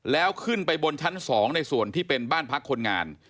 แล้วขึ้นไปบนชั้น๒ในส่วนที่เป็นบ้านพักคนงาน